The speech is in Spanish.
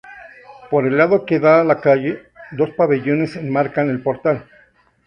Por el lado que da a la calle, dos pabellones enmarcan el portal.